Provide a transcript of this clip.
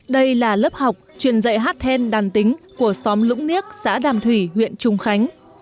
đây là lớp học truyền dạy hát then đàn tính của xóm lũng niếc xã đàm thủy huyện trung khánh